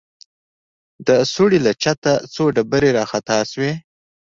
د سوړې له چته څو ډبرې راخطا سوې.